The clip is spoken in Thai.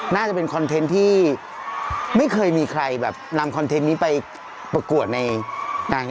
น่าจะเป็นคอนเทนต์ที่ไม่เคยมีใครแบบนำคอนเทนต์นี้ไปประกวดในนาง